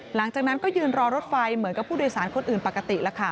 หลังจากนั้นก็ยืนรอรถไฟเหมือนกับผู้โดยสารคนอื่นปกติแล้วค่ะ